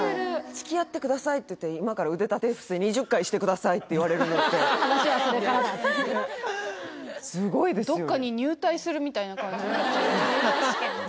つきあってくださいって言って今から腕立て伏せ２０回してくださいって言われるのって話はそれからだってすごいですよな感じになっちゃうよね